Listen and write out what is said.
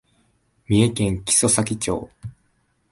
三重県木曽岬町